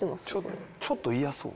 ちょっと嫌そう。